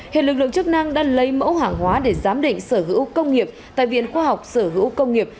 hiện lực lượng chức năng đã lấy mẫu hàng hóa để giám định sở hữu công nghiệp tại viện khoa học sở hữu công nghiệp